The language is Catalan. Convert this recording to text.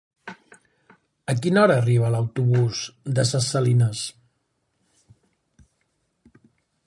A quina hora arriba l'autobús de Ses Salines?